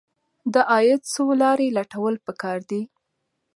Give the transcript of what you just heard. د عاید څو لارې لټول پکار دي.